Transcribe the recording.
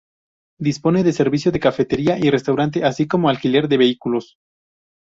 Dispone de servicio de cafetería y restaurante, así como alquiler de vehículos.